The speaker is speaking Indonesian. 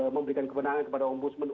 memberikan kebenangan kepada ombudsman